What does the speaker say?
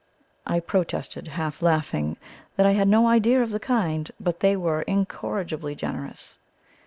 I protested, half laughing, that I had no idea of the kind, but they were incorrigibly generous.